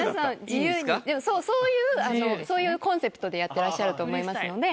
自由にそういうコンセプトでやってらっしゃると思いますので。